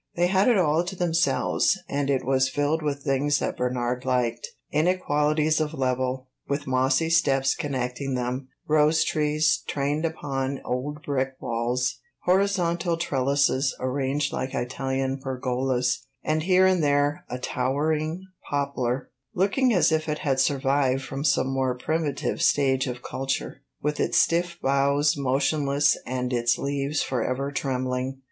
They had it all to themselves, and it was filled with things that Bernard liked inequalities of level, with mossy steps connecting them, rose trees trained upon old brick walls, horizontal trellises arranged like Italian pergolas, and here and there a towering poplar, looking as if it had survived from some more primitive stage of culture, with its stiff boughs motionless and its leaves forever trembling.